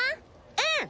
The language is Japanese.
うん！